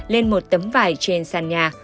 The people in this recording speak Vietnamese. lên một tấm vải trên sàn nhà